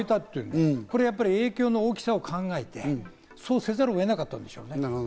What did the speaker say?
これは影響の大きさを考えて、そうせざるを得なかったんでしょうね。